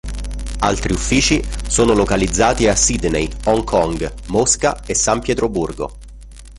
Altri uffici sono localizzati a Sydney, Hong Kong, Mosca e San Pietroburgo.